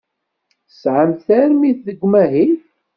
Tesɛamt tarmit deg umahil.